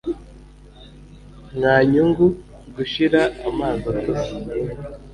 Nka nyungu gushira amazi atose